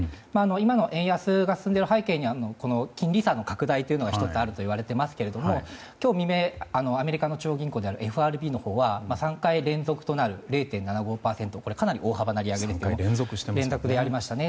今の円安が進んでいる背景には金利差の拡大というのが１つあるといわれていますが今日未明、アメリカの中央銀行のＦＲＢは３回連続となる０．７５％これ、かなり大幅な利上げでありましたね。